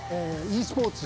ｅスポーツ。